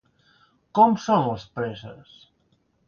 Com són les preses?